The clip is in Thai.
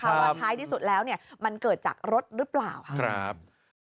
ว่าท้ายที่สุดแล้วมันเกิดจากรถหรือเปล่าค่ะ